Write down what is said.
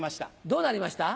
どうなりました？